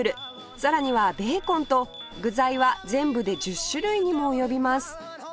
さらにはベーコンと具材は全部で１０種類にも及びます